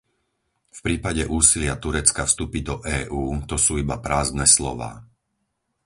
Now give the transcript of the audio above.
V prípade úsilia Turecka vstúpiť do EÚ to sú iba prázdne slová.